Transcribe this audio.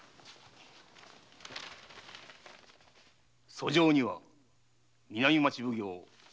訴状には南町奉行大岡